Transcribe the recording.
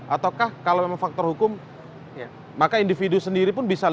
ataukah kalau memang faktor hukum maka individu sendiri pun bisa